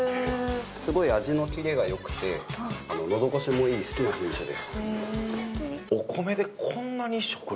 すごい味のキレが良くてのど越しもいい好きな品種です。